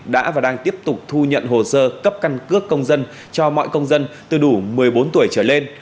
đã và đang tiếp tục thu nhận hồ sơ cấp căn cước công dân cho mọi công dân từ đủ một mươi bốn tuổi trở lên